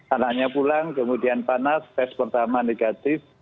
anaknya pulang kemudian panas tes pertama negatif